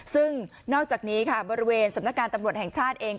ซึ่งนอกจากนี้ค่ะบริเวณสำนักการตำรวจแห่งชาติเอง